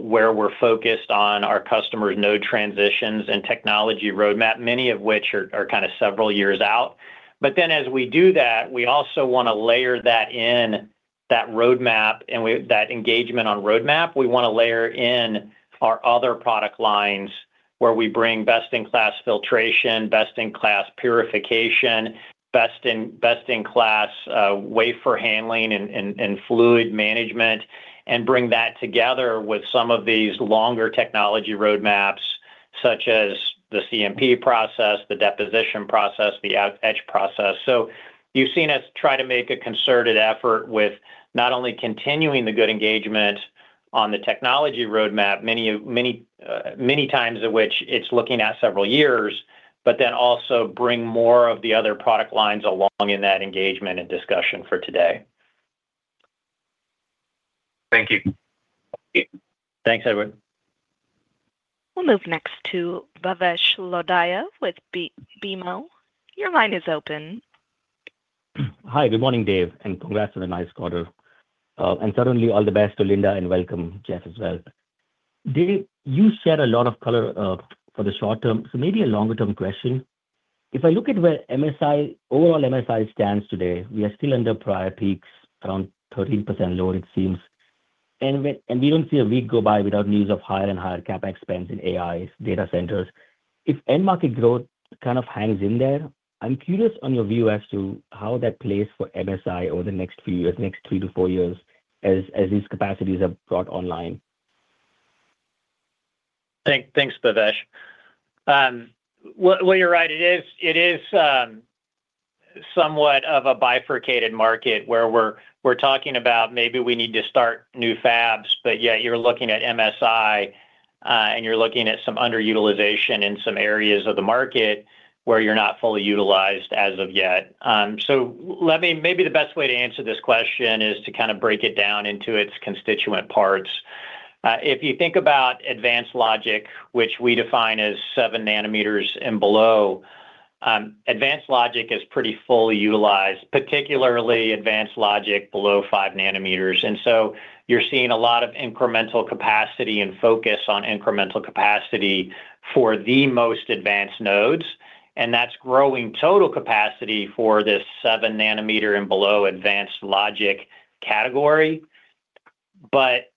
where we're focused on our customers' node transitions and technology roadmap, many of which are kind of several years out. But then, as we do that, we also want to layer that in that roadmap, and that engagement on roadmap, we want to layer in our other product lines, where we bring best-in-class filtration, best-in-class purification, best-in-class wafer handling and fluid management, and bring that together with some of these longer technology roadmaps, such as the CMP process, the deposition process, the etch process. So you've seen us try to make a concerted effort with not only continuing the good engagement on the technology roadmap, many times of which it's looking at several years, but then also bring more of the other product lines along in that engagement and discussion for today. Thank you. Thanks, Edward. We'll move next to Bhavesh Lodaya with BMO. Your line is open. Hi, good morning, Dave, and congrats on the nice quarter. And certainly all the best to Linda, and welcome, Jeff, as well. Dave, you shared a lot of color for the short term, so maybe a longer-term question. If I look at where MSI, overall MSI stands today, we are still under prior peaks, around 13% lower, it seems. And we don't see a week go by without news of higher and higher CapEx spends in AI data centers. If end market growth kind of hangs in there, I'm curious on your view as to how that plays for MSI over the next few years, next three to four years, as these capacities are brought online. Thanks, Bhavesh. Well, you're right. It is somewhat of a bifurcated market where we're talking about maybe we need to start new fabs, but yet you're looking at MSI, and you're looking at some underutilization in some areas of the market where you're not fully utilized as of yet. So let me maybe the best way to answer this question is to kind of break it down into its constituent parts. If you think about advanced logic, which we define as seven nanometers and below, advanced logic is pretty fully utilized, particularly advanced logic below five nanometers. And so you're seeing a lot of incremental capacity and focus on incremental capacity for the most advanced nodes, and that's growing total capacity for this seven-nanometer and below advanced logic category. But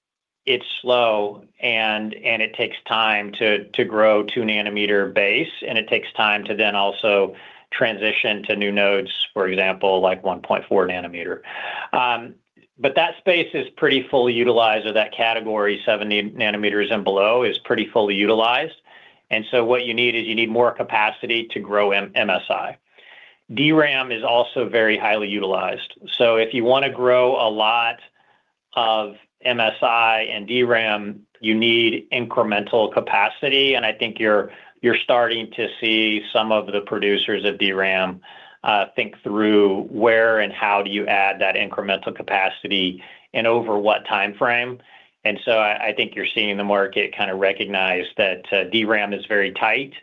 it's slow, and it takes time to grow to nanometer base, and it takes time to then also transition to new nodes, for example, like 1.4 nanometer. But that space is pretty fully utilized, or that category, seven nanometers and below, is pretty fully utilized. And so what you need is you need more capacity to grow MSI. DRAM is also very highly utilized. So if you want to grow a lot of MSI and DRAM, you need incremental capacity, and I think you're starting to see some of the producers of DRAM, think through where and how do you add that incremental capacity and over what timeframe. And so I think you're seeing the market kind of recognize that, DRAM is very tight.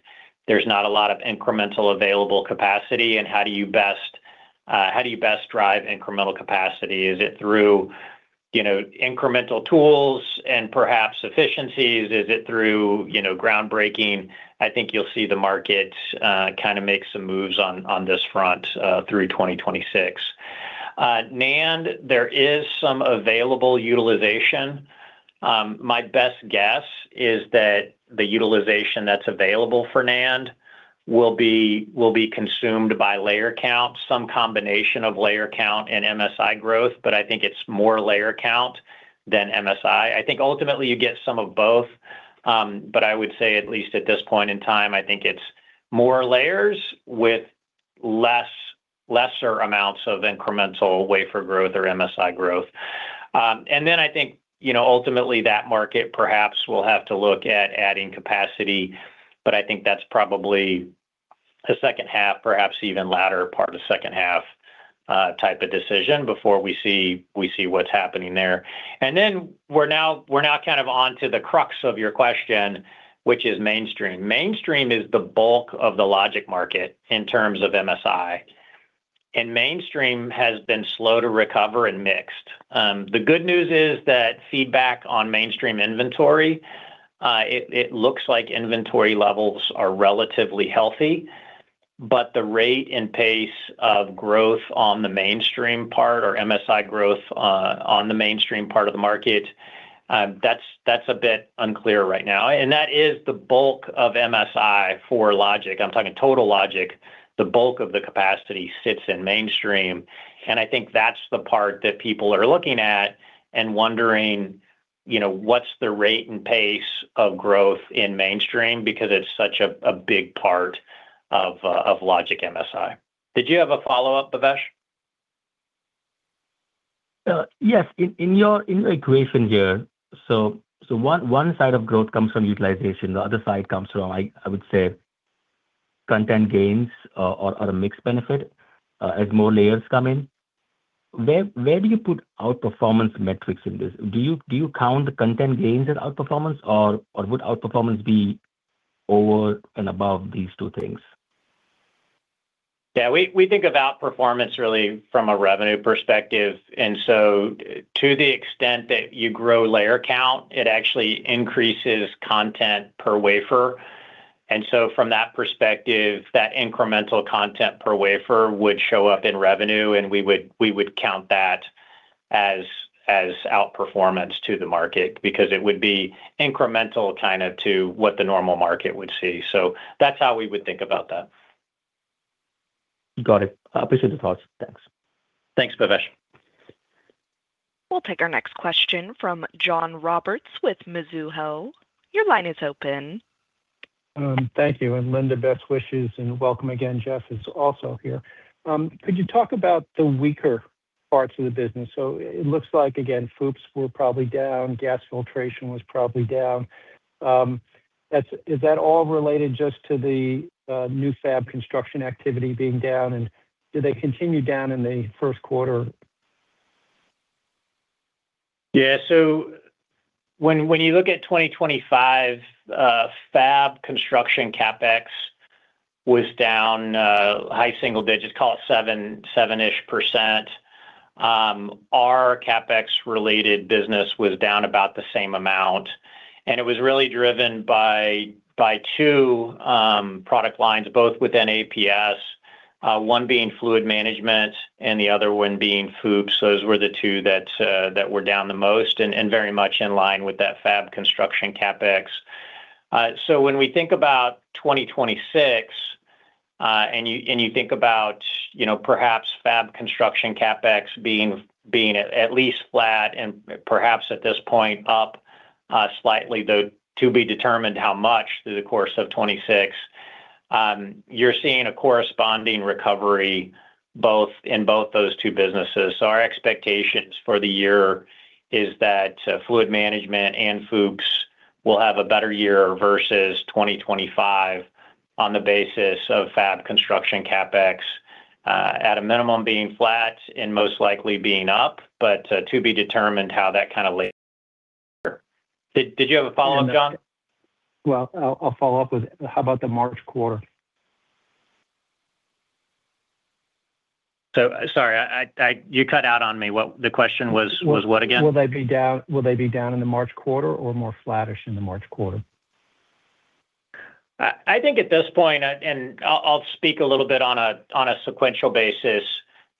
There's not a lot of incremental available capacity, and how do you best, how do you best drive incremental capacity? Is it through, you know, incremental tools and perhaps efficiencies? Is it through, you know, groundbreaking? I think you'll see the market, kind of make some moves on, on this front, through 2026. NAND, there is some available utilization. My best guess is that the utilization that's available for NAND will be, will be consumed by layer count, some combination of layer count and MSI growth, but I think it's more layer count than MSI. I think ultimately you get some of both. But I would say, at least at this point in time, I think it's more layers with less, lesser amounts of incremental wafer growth or MSI growth. And then I think, you know, ultimately, that market perhaps will have to look at adding capacity, but I think that's probably the second half, perhaps even latter part of second half, type of decision before we see what's happening there. And then we're now kind of on to the crux of your question, which is mainstream. Mainstream is the bulk of the logic market in terms of MSI... and mainstream has been slow to recover and mixed. The good news is that feedback on mainstream inventory, it looks like inventory levels are relatively healthy, but the rate and pace of growth on the mainstream part or MSI growth, on the mainstream part of the market, that's a bit unclear right now. And that is the bulk of MSI for logic. I'm talking total logic. The bulk of the capacity sits in mainstream, and I think that's the part that people are looking at and wondering, you know, what's the rate and pace of growth in mainstream because it's such a big part of logic MSI. Did you have a follow-up, Bhavesh? Yes. In your integration here, so one side of growth comes from utilization, the other side comes from, like, I would say, content gains or a mixed benefit, as more layers come in. Where do you put outperformance metrics in this? Do you count the content gains as outperformance, or would outperformance be over and above these two things? Yeah, we think about outperformance really from a revenue perspective, and so to the extent that you grow layer count, it actually increases content per wafer. And so from that perspective, that incremental content per wafer would show up in revenue, and we would count that as outperformance to the market, because it would be incremental kind of to what the normal market would see. So that's how we would think about that. Got it. Appreciate the thoughts. Thanks. Thanks, Bhavesh. We'll take our next question from John Roberts with Mizuho. Your line is open. Thank you, and Linda, best wishes, and welcome again. Jeff is also here. Could you talk about the weaker parts of the business? So it looks like, again, FOUPs were probably down, gas filtration was probably down. That's. Is that all related just to the new fab construction activity being down, and do they continue down in the first quarter? Yeah, so when you look at 2025, fab construction CapEx was down high single digits, call it 7-ish%. Our CapEx-related business was down about the same amount, and it was really driven by two product lines, both within APS, one being fluid management and the other one being FOUPs. Those were the two that were down the most and very much in line with that fab construction CapEx. So when we think about 2026 and you think about, you know, perhaps fab construction CapEx being at least flat and perhaps at this point up slightly, though to be determined how much through the course of 2026, you're seeing a corresponding recovery both in both those two businesses. So our expectations for the year is that fluid management and FOUPs will have a better year versus 2025 on the basis of fab construction CapEx, at a minimum, being flat and most likely being up, but to be determined how that kind of lays. Did, did you have a follow-up, John? Well, I'll, I'll follow up with, how about the March quarter? So sorry, you cut out on me. What was the question again? Will they be down in the March quarter or more flattish in the March quarter? I think at this point, and I'll speak a little bit on a sequential basis.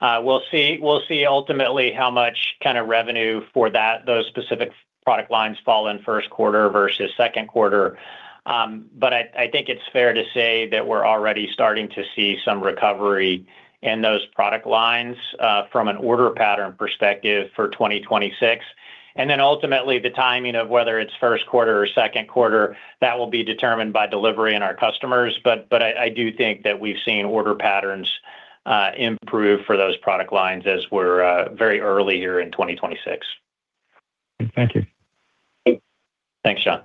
We'll see ultimately how much kind of revenue for those specific product lines fall in first quarter versus second quarter. But I think it's fair to say that we're already starting to see some recovery in those product lines from an order pattern perspective for 2026. And then ultimately, the timing of whether it's first quarter or second quarter, that will be determined by delivery and our customers. But I do think that we've seen order patterns improve for those product lines as we're very early here in 2026. Thank you. Thanks, John.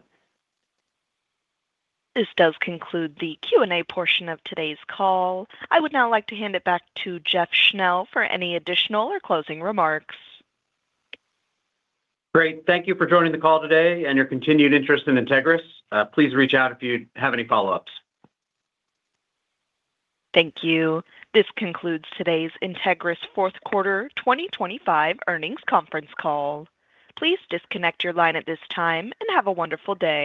This does conclude the Q&A portion of today's call. I would now like to hand it back to Jeff Schnell for any additional or closing remarks. Great. Thank you for joining the call today and your continued interest in Entegris. Please reach out if you have any follow-ups. Thank you. This concludes today's Entegris fourth quarter 2025 earnings conference call. Please disconnect your line at this time, and have a wonderful day.